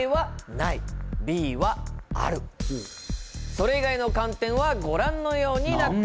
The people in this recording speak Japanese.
それ以外の観点はご覧のようになっております。